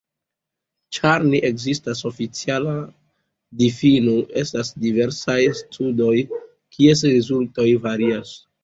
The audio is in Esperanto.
Ĉar ne ekzistas oficiala difino, estas diversaj studoj kies rezultoj varias.